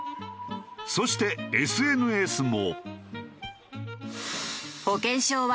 そしてＳＮＳも。